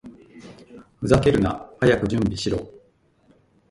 ふざけるな！早く準備しろ！